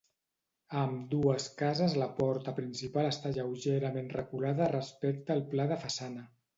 A ambdues cases la porta principal està lleugerament reculada respecte al pla de façana.